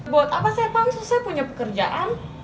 buat apa saya pangsu saya punya pekerjaan